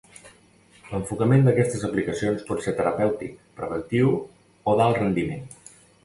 L'enfocament d'aquestes aplicacions pot ser terapèutic, preventiu o d'alt rendiment.